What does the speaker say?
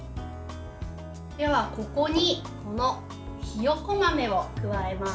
では、ここにひよこ豆を加えます。